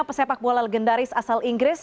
pesepak bola legendaris asal inggris